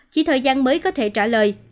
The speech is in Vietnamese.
chỉ thời gian mới có thể trả lời